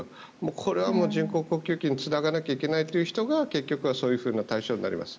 これはもう人工呼吸器につながなきゃいけないという人が結局はそういう対象になります。